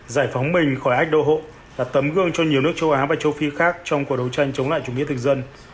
giải phóng mình khỏi ách đô hộ là tấm gương cho nhiều nước châu á và châu phi khác trong cuộc đấu tranh chống lại chủ nghĩa thực dân